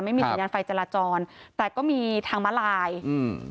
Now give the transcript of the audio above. ไม่มีสัญญาณไฟจราจรแต่ก็มีทางมาลายอืม